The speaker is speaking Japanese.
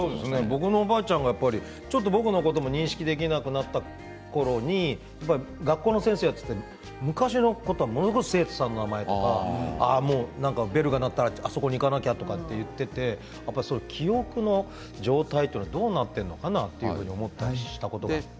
僕のおばあちゃんが僕のことも認識できなくなったころに学校の先生で昔のこと生徒さんの名前とかベルが鳴ったらあそこに行かなきゃと言っていて記憶の状態はどうなっているのかなと思ったりしたことがあって。